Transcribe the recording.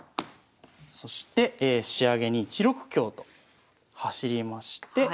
そして仕上げに１六香と走りまして。